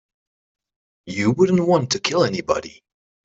You wouldn't want to kill anybody.